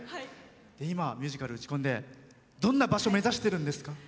今、ミュージカル打ち込んでどんな場所を目指してるんですか？